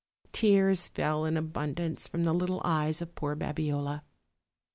Tears fell in abundance from the little eyes of poor Babiola.